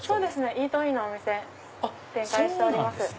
イートインのお店展開してます。